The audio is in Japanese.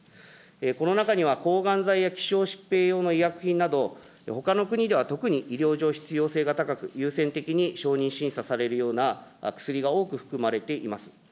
この中には、抗がん剤や希少疾病用の医薬品など、ほかの国では特に医療上必要性が高く、優先的に承認審査されるような薬が多く含まれています。